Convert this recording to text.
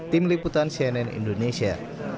tim liputan cnn indonesia